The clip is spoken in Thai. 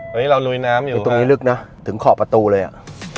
เราลุยน้ำอยู่ตรงนี้ลึกนะถึงขอบประตูเลยอ่ะ